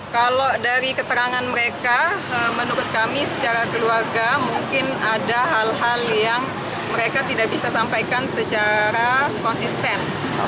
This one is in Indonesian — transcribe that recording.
kalau dari keterangan mereka menurut kami secara keluarga mungkin ada hal hal yang mereka tidak bisa sampaikan secara konsisten